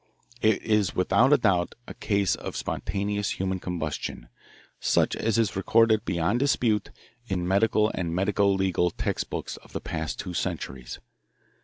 It is without doubt a case of spontaneous human combustion, such as is recorded beyond dispute in medical and medico legal text books of the past two centuries.